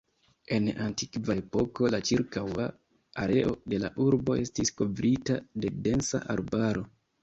En antikva epoko la ĉirkaŭa areo de la urbo estis kovrita de densa arbaro.